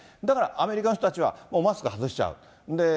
だからアメリカの人たちはもうマスク外しちゃう。